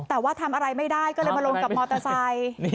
แต่ว่าทำอะไรไม่ได้ก็เลยมาลงกับมอเตอร์ไซค์